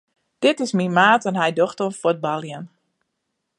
Dit is myn maat en hy docht oan fuotbaljen.